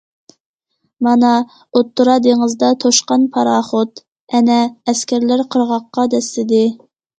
مانا، ئوتتۇرا دېڭىزدا توشقان پاراخوت... ئەنە، ئەسكەرلەر قىرغاققا دەسسىدى.